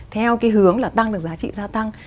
theo cái hướng là tăng được giá trị gia tăng